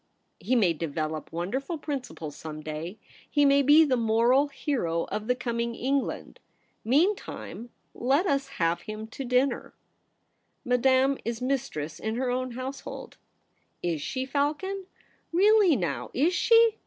He may develop wonderful principles some day ; he may be the moral hero of the coming England. Meantime, let us have him to dinner.* THE PRINCESS AT HOME. 183 * Madame is mistress in her own house hold.' ' Is she, Falcon ? Really now, is she